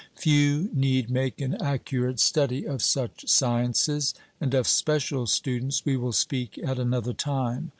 Few need make an accurate study of such sciences; and of special students we will speak at another time.